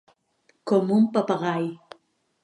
Com un papagai.